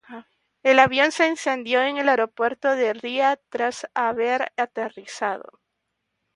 El avión se incendió en el antiguo Aeropuerto de Riad tras haber aterrizado.